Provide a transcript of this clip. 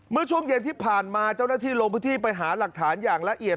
เมื่อช่วงเย็นที่ผ่านมาเจ้าหน้าที่ลงพื้นที่ไปหาหลักฐานอย่างละเอียด